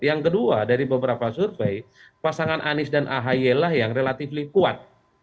yang kedua dari beberapa survei pasangan anies dan ahy lah yang relatifly kuat